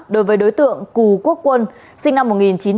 đối với đối tượng cù quốc quân sinh năm một nghìn chín trăm bảy mươi hai